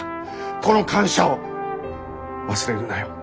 この感謝を忘れるなよ。